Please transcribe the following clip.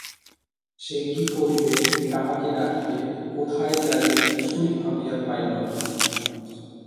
সে কী করিবে, কাহাকে ডাকিবে, কোথায় যাইবে কিছুই ভাবিয়া পাইল না।